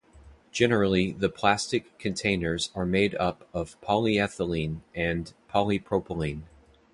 Generally the plastic containers are made up of polyethylene and polypropylene.